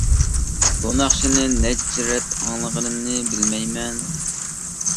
بۇ ناخشىنى نەچچە رەت ئاڭلىغىنىمنى بىلمەيمەن.